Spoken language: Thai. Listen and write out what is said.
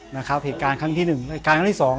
นะครับเหตุการณ์ครั้งที่หนึ่งหลักฐานครั้งนี้ครั้งที่สอง